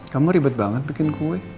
kamu ribet banget bikin kue